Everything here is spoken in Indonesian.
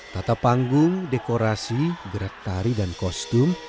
tata panggung dekorasi gerak tari dan kostum